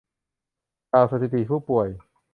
จากสถิติผู้ป่วย